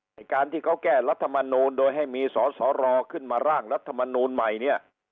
ไอ้การที่เขาแก้รัฐมนูลโดยให้มีสอสอรอขึ้นมาร่างรัฐมนูลใหม่เนี่ย